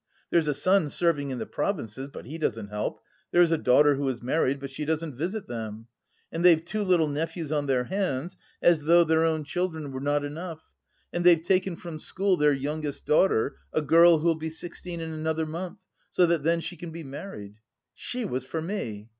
There is a son serving in the provinces, but he doesn't help; there is a daughter, who is married, but she doesn't visit them. And they've two little nephews on their hands, as though their own children were not enough, and they've taken from school their youngest daughter, a girl who'll be sixteen in another month, so that then she can be married. She was for me.